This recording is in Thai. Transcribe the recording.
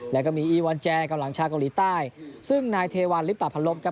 แล้วก็มีอีวันแจกองหลังชาวเกาหลีใต้ซึ่งนายเทวันลิปตะพันลบครับ